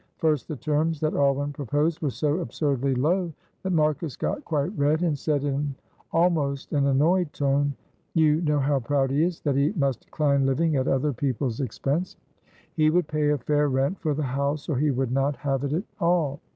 First, the terms that Alwyn proposed were so absurdly low that Marcus got quite red and said in almost an annoyed tone you know how proud he is that he must decline living at other people's expense. He would pay a fair rent for the house or he would not have it at all.